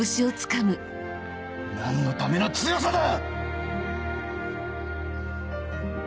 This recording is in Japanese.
何のための強さだ⁉